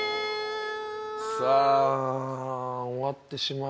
さあ終わってしまいましたね。